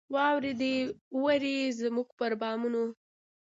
واوري دي اوري زموږ پر بامونو